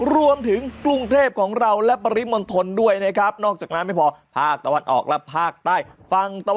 รวมถึงกรุงเทพของเราและปริมณฑลด้วยนะครับนอกจากนั้นไม่พอภาคตะวันออกและภาคใต้ฝั่งตะวัน